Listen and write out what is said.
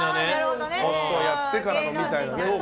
ホストをやってからみたいな。